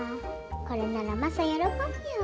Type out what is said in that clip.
これならマサ喜ぶよ。